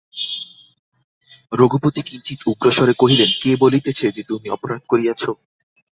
রঘুপতি কিঞ্চিৎ উগ্রস্বরে কহিলেন, কে বলিতেছে যে তুমি অপরাধ করিয়াছ?